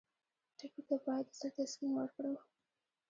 ټپي ته باید د زړه تسکین ورکړو.